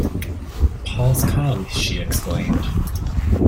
“Paul’s come!” she exclaimed.